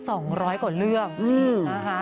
สองร้อยกว่าเรื่องอืมนะคะ